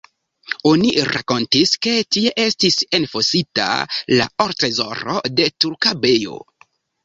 Oni rakontis, ke tie estis enfosita la ortrezoro de turka bejo.